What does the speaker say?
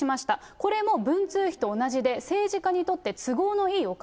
これも文通費と同じで、政治家にとって都合のいいお金。